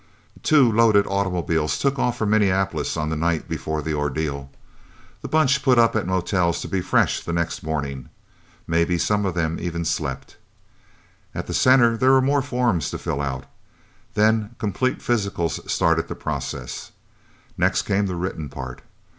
Two loaded automobiles took off for Minneapolis on the night before the ordeal. The Bunch put up at motels to be fresh the next morning. Maybe some of them even slept. At the Center, there were more forms to fill out. Then complete physicals started the process. Next came the written part.